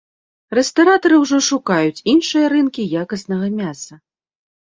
Рэстаратары ўжо шукаюць іншыя рынкі якаснага мяса.